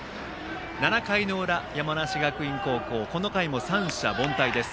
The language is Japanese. ７回の裏、山梨学院高校この回も三者凡退です。